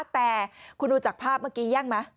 แต่คุณดูจากภาพเมื่อกี้แย่งไหม